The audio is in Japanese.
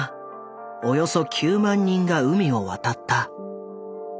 およそ９万人が海を渡った。